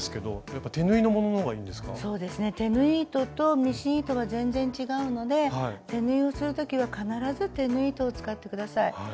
手縫い糸とミシン糸は全然違うので手縫いをする時は必ず手縫い糸を使って下さい。